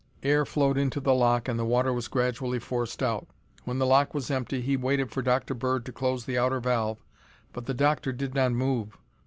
Air flowed into the lock and the water was gradually forced out. When the lock was empty, he waited for Dr. Bird to close the outer valve but the Doctor did not move.